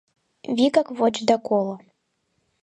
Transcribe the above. Вигак воч да коло.